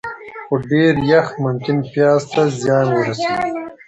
خو ډېر یخ ممکن پیاز ته زیان ورسوي.